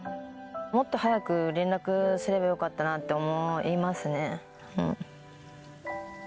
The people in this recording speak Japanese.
もっと早く連絡すればよかったなって思いますね。